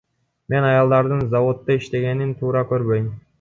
Мен аялдардын заводдо иштегенин туура көрбөйм.